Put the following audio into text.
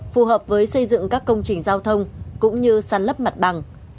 phù hợp với xây dựng các công trình giao thông cũng như san lấp mặt bằng